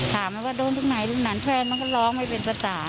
ถามว่าโดนทุกหน่ายแฟนก็ลองไม่เป็นภัตรา